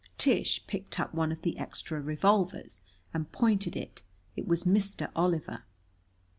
Tish picked up one of the extra revolvers and pointed it. It was Mr. Oliver!